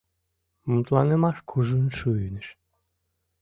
Мутланымаш кужун шуйныш.